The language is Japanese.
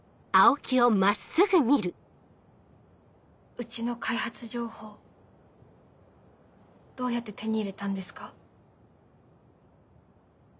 うちの開発情報どうやって手に入れたんですか？